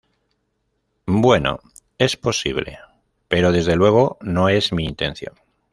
Bueno, es posible, pero desde luego no es mi intención.